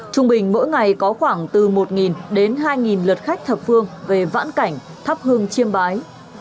trung bình mỗi ngày có khoảng từ một đến hai lượt khách thập phương về vãn cảnh thắp hương chiêm bái